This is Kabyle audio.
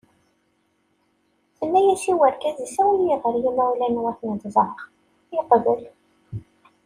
Tenna-as i urgaz-is awi-yi ɣer yimawlan-iw ad ten-id-ẓureɣ. yeqbel.